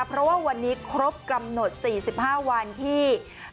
เพราะว่าวันนี้ครบกำหนด๔๕วันที่